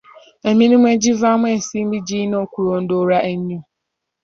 Emirimu egivaamu ensimbi girina okulondoolwa ennyo.